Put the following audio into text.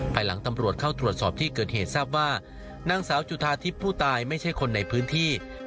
ภายหลังตำรวจเข้าตรวจสอบที่เกิดเหตุทราบว่านางสาวจุธาทิพย์ผู้ตายไม่ใช่คนในพื้นที่